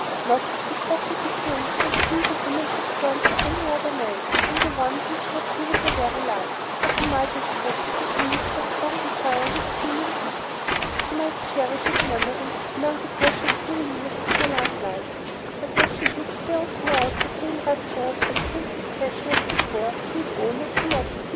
Not that such a situation would lead a woman to turn to any other man than the one to whom she had given her very life; but we might expect that at least her strong desire would cool and weaken. She might cherish his memory among the precious souvenirs of her love life; but that she should still pour out the same rapturous, unstinted passion as before seems almost too much to believe.